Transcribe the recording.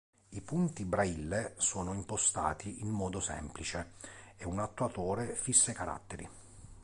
I punti Braille sono impostati in modo semplice e un attuatore fissa i caratteri.